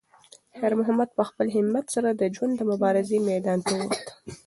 خیر محمد په خپل همت سره د ژوند د مبارزې میدان ته وووت.